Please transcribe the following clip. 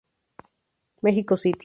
Mexico City".